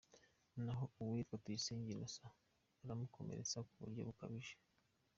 Naho uwitwa Tuyisenge Innocent baramukomeretsa ku buryo bukabije.